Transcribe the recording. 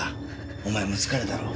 お前も疲れたろう。